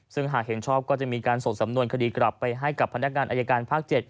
ซึ่งหากเห็นชอบก็จะมีการส่งสำนวนคดีกลับไปให้กับพนักงานอายการภาค๗